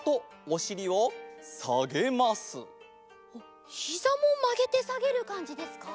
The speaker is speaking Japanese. おっひざもまげてさげるかんじですか？